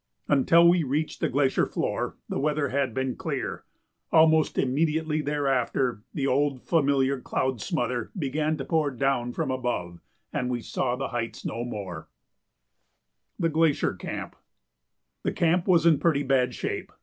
Until we reached the glacier floor the weather had been clear; almost immediately thereafter the old familiar cloud smother began to pour down from above and we saw the heights no more. [Sidenote: The Glacier Camp] The camp was in pretty bad shape.